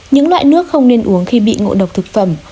những loại nước không nên uống khi bị ngộ độc thực phẩm